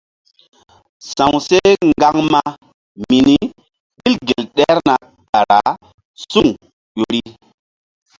Sa̧w seh ŋgaŋma mini ɓil gel ɗerna kara suŋ ƴo ri.